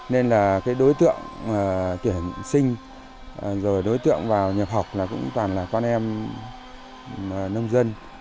nên là cái đối tượng tuyển sinh rồi đối tượng vào nhập học là cũng toàn là con em nông dân